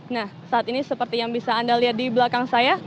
nah saat ini seperti yang bisa anda lihat di belakang saya